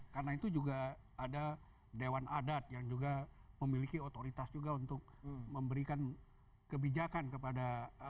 karena itu juga ada dewan adat yang juga memiliki otoritas juga untuk memberikan kebijakan kepada